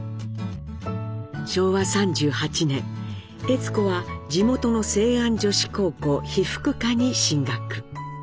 昭和３８年悦子は地元の成安女子高校被服科に進学。